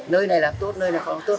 nơi này làm tốt nơi này không tốt